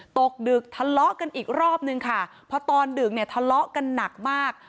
ตกดึกทะเลาะกันอีกรอบนึงค่ะพอตอนดึกเนี่ยทะเลาะกันหนักมาก